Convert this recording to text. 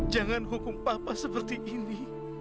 jangan hukum papa seperti ini